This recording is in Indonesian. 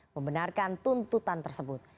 membenarkan tuntutan tersebut